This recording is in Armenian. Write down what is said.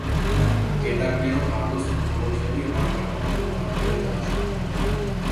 Գետակներով հարուստ, ոռոգելի և արգավանդ ու բարեբեր դաշտ է։